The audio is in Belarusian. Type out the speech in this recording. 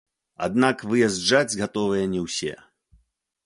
Аднак выязджаць гатовыя не ўсе.